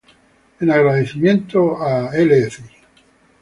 En agradecimiento al Lic.